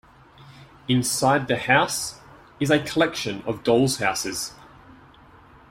Inside the house is a collection of dolls' houses.